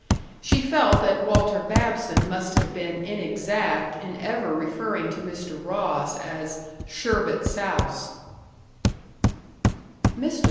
She felt that Walter Babson must have been inexact in ever referring to Mr. Ross as "Sherbet Souse." Mr.